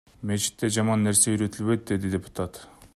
Мечитте жаман нерсе үйрөтүлбөйт, — деди депутат.